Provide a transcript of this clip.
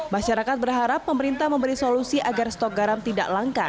masyarakat berharap pemerintah memberi solusi agar stok garam tidak langka